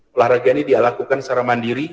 olahraga ini dilakukan secara mandiri